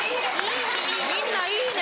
みんないいね！